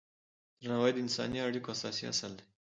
درناوی د انساني اړیکو اساسي اصل دی.